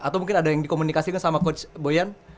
atau mungkin ada yang dikomunikasikan sama coach boyan